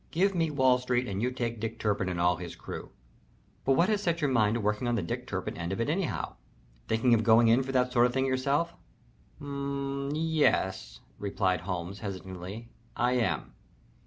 Give me Wall Street and you take Dick Turpin and all his crew. But what has set your mind to working on the Dick Turpin end of it anyhow? Thinking of going in for that sort of thing yourself?" "M m m yes," replied Holmes, hesitatingly. "I am.